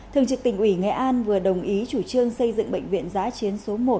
thường trực tỉnh ủy nghệ an vừa đồng ý chủ trương xây dựng bệnh viện giá chiến số một